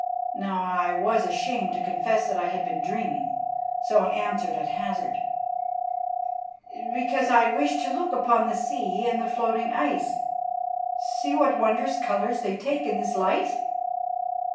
Now I was ashamed to confess that I had been dreaming, so I answered at hazard: "Because I wished to look upon the sea and the floating ice. See what wondrous colours they take in this light!"